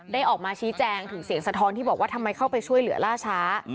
ออกมาชี้แจงถึงเสียงสะท้อนที่บอกว่าทำไมเข้าไปช่วยเหลือล่าช้า